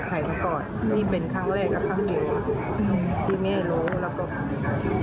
หากว่าไม่มีพ่อแม่เขาไหนที่อยากให้สุดจบลูกไปสุดนี้